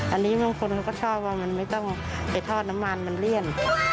อันนี้บางคนเขาก็ชอบว่ามันไม่ต้องไปทอดน้ำมันมันเลี่ยน